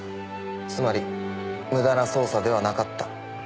つまり無駄な捜査ではなかった。